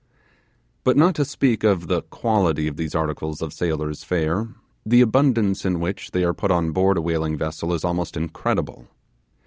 But not to speak of the quality of these articles of sailors' fare, the abundance in which they are put onboard a whaling vessel is almost incredible.